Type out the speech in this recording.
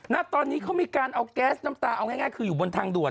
ณตอนนี้เขามีการเอาแก๊สน้ำตาเอาง่ายคืออยู่บนทางด่วน